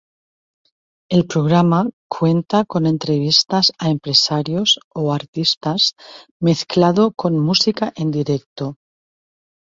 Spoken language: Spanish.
El programa cuenta con entrevistas a empresarios o artistas mezclado con música en directo.